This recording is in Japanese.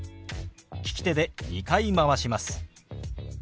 利き手で２回回します。